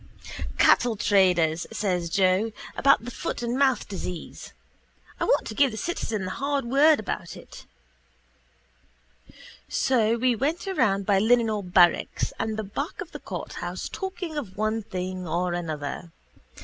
—Cattle traders, says Joe, about the foot and mouth disease. I want to give the citizen the hard word about it. So we went around by the Linenhall barracks and the back of the courthouse talking of one thing or another.